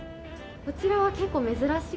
こちらは結構珍しい。